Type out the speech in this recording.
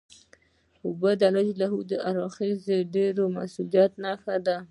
اوبه د الله له اړخه ډیر لوئ نعمت دی